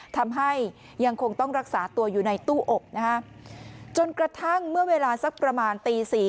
ทำให้ยังคงต้องรักษาตัวอยู่ในตู้อบนะฮะจนกระทั่งเมื่อเวลาสักประมาณตีสี่